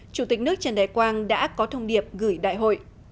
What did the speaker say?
chủ tịch nước trần đại quang đã có thông điệp gửi đại hội